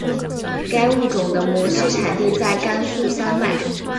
该物种的模式产地在甘肃山脉。